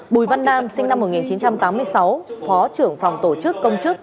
bùi văn nam sinh năm một nghìn chín trăm tám mươi sáu phó trưởng phòng tổ chức công chức